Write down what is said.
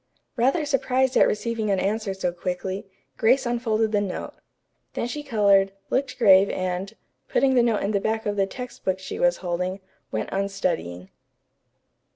Rather surprised at receiving an answer so quickly, Grace unfolded the note. Then she colored, looked grave and, putting the note in the back of the text book she was holding, went on studying.